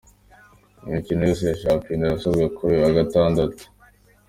Imikino yose ya shampiyona irasozwa kuri uyu wa Gatandatu.